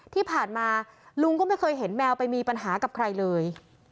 ที่ผ่านมาลุงก็ไม่เคยเห็นแมวไปมีปัญหากับใครเลย